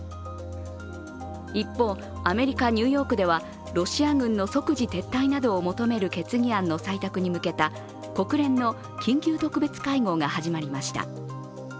一方、アメリカ・ニューヨークではロシア軍の即時撤退などを求める決議案の採択に向けた国連の緊急特別会合が始まりました。